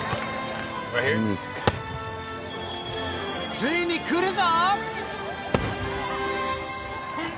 ついにくるぞ！